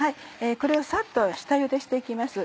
これをサッと下茹でして行きます。